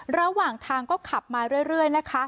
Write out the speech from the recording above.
ระหว่างทางก็ขับมาเรื่อยนะคะ